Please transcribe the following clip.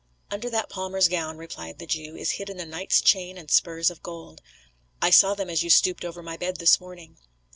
"Under that palmer's gown," replied the Jew, "is hidden a knight's chain and spurs of gold. I saw them as you stooped over my bed this morning."